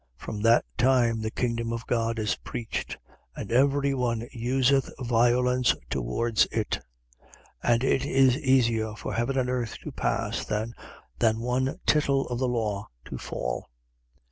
From that time the kingdom of God is preached: and every one useth violence towards it. 16:17. And it is easier for heaven and earth to pass than one tittle of the law to fall.